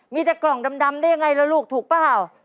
มีแต่กล่องดำได้ยังไงล่ะลูกถูกเปล่า